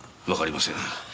わかりません。